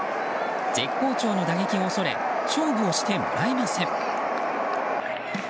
絶好調の打撃を恐れ勝負をしてもらえません。